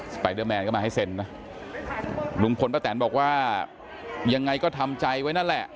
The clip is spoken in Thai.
ไปเดอร์แมนก็มาให้เซ็นนะลุงพลป้าแตนบอกว่ายังไงก็ทำใจไว้นั่นแหละ